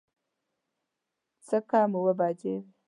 څه کم اووه بجې وې.